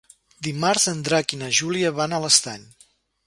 Dimarts en Drac i na Júlia van a l'Estany.